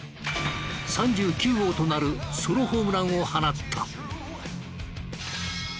３９号となるソロホームランを放った。